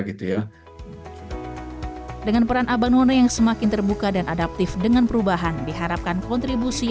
gitu ya dengan peran abang wono yang semakin terbuka dan adaptif dengan perubahan diharapkan kontribusi